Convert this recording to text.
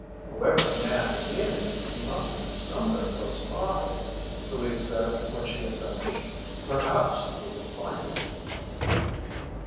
"Whoever the man is, he must be somewhere close by," Louise said when she had finished. "Perhaps we can find him."